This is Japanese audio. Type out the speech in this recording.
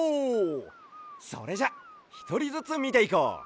それじゃひとりずつみていこう。